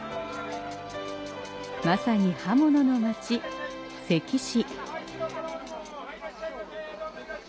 まさに刃物の街、関市。